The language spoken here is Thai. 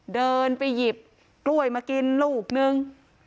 เดินไปหยิบกล้วยมากินลูกนึง